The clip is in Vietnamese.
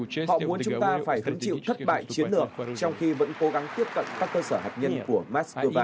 họ muốn chúng ta phải hứng chịu thất bại chiến lược trong khi vẫn cố gắng tiếp cận các cơ sở hạt nhân của moscow